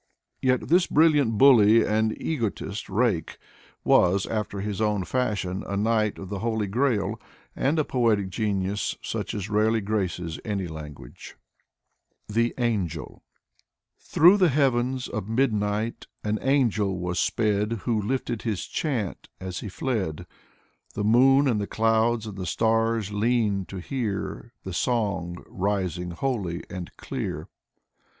Yet this brilliant bully and egotistic rake was, after his own fashion, a knight of the Holy Grail and a poetic genius such as rarely graces any language. 17 1 8 Mikhail Lermontov i THE ANGEL Through the heavens of midnight an angel was sped Who lifted his chant as he fled. The moon and the clouds and the stars leaned to hear The song rising holy and clear.